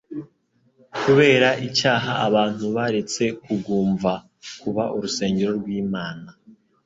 Kubera icyaha abantu baretse kugumva kuba urusengero rw'Imana.